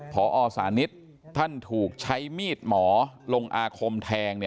พอสานิทท่านถูกใช้มีดหมอลงอาคมแทง